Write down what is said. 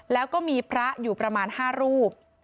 แล้วก็มีพระอยู่ประมาณ๕รูป